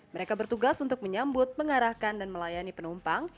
mereka bertugas untuk menyambut mengarahkan dan melayani penumpang